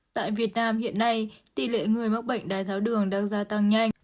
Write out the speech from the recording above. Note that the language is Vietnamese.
tại việt nam hiện nay tỷ lệ người mắc bệnh đái tháo đường đang gia tăng nhanh